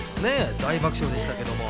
大爆笑でしたけれども。